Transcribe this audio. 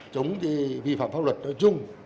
chống vi phạm pháp luật nói chung